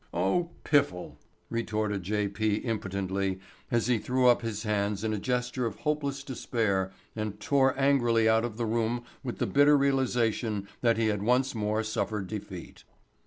"Oh——piffle," retorted J. P. impotently as he threw up his hands in a gesture of hopeless despair and tore angrily out of the room with the bitter realization that he had once more suffered defeat.